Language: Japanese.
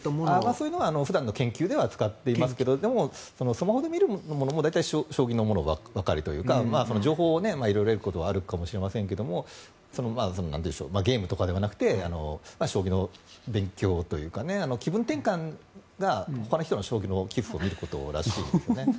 そういうのは普段の研究では使っていますがでも、スマホで見るものも大体将棋のものばかりというか情報を色々得ることはあるかもしれませんがゲームとかではなくて将棋の勉強というか気分転換がほかの人の将棋の棋譜を見ることらしいですね。